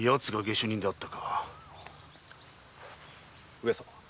上様。